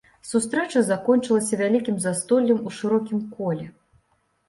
Сустрэча закончылася вялікім застоллем у шырокім коле.